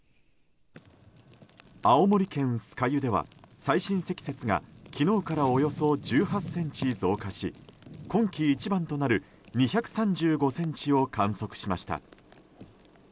青森県酸ヶ湯では最深積雪が昨日からおよそ１８ｃｍ増加し今季一番となる２３５ｃｍを観測しました。